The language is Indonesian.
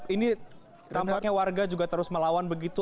ini tampaknya warga juga terus melawan begitu